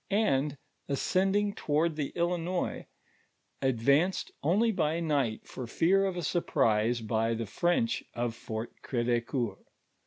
\'i^, 137), and ogcending toward the Illinois, advanced only by night for fear of a surprise by the French of Fort (V6veca'ur.